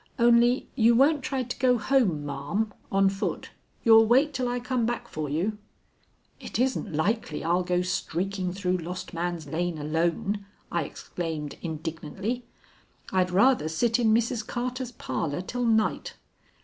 Only you won't try to go home, ma'am, on foot? You'll wait till I come back for you?" "It isn't likely I'll go streaking through Lost Man's Lane alone," I exclaimed indignantly. "I'd rather sit in Mrs. Carter's parlor till night."